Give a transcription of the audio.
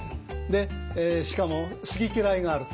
でしかも好き嫌いがある。